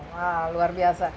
wah luar biasa